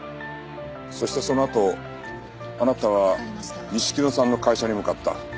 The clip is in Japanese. そしてそのあとあなたは錦野さんの会社に向かった。